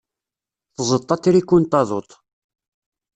Tzeṭṭ atriku n taduṭ.